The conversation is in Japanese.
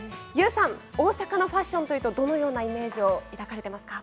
ＹＯＵさん、大阪のファッションというとどのようなイメージを抱かれていますか？